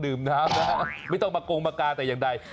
ดื่มน้ำนะครับไม่ต้องมาโกงประกาศแต่อย่างใด